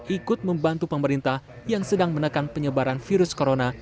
ikut membantu pemerintah yang sedang menekan penyebaran virus corona